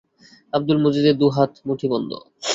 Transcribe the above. আব্দুল মজিদের দু হাত মুঠিবন্ধ।